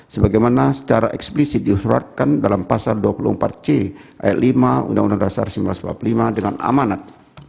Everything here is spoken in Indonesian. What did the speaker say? sebagaimana secara eksplisit disuratkan dalam pasar dua puluh empat c ayat lima undang undang dasar seribu sembilan ratus empat puluh lima dengan amanat